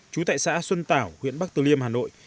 trú tại xã xuân tảo huyện bắc từ liêm hà nội